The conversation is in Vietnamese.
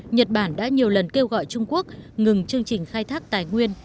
nhật bản đã nhiều lần kêu gọi trung quốc ngừng chương trình khai thác tài nguyên